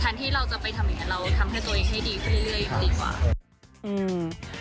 แทนที่เราจะไปทำอย่างนี้เราทำให้ตัวเองให้ดีขึ้นเรื่อยก็ดีกว่า